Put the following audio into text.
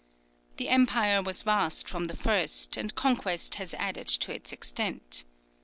The empire was vast from the first, and conquest has added to its extent.